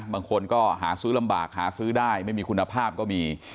บางคนก็หาซื้อลำบากหาซื้อได้ไม่มีคุณภาพก็มี